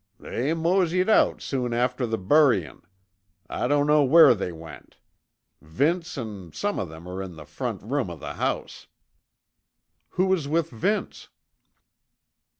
"They moseyed out soon after the buryin'. I dunno where they went. Vince an' some o' them are in the front room o' the house." "Who is with Vince?"